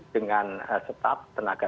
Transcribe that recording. dengan staff tenaga